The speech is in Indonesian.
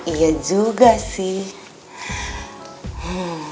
iya juga sih